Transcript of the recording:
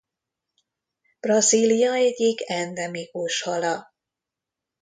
Brazília egyik endemikus hala.